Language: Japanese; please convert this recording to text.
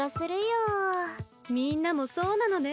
みんなもそうなのね。